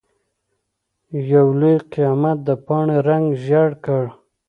يو لوی قيامت د پاڼې رنګ ژېړ کړ.